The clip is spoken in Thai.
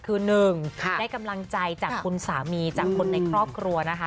คือ๑ได้กำลังใจจากคุณสามีจากคนในครอบครัวนะคะ